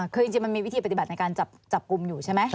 คือจริงมันมีวิธีปฏิบัติในการจับกลุ่มอยู่ใช่ไหม